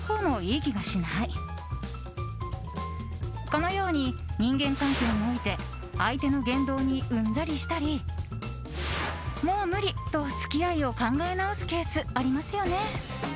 このように人間関係において相手の言動にうんざりしたりもう無理！と付き合いを考え直すケースありますよね。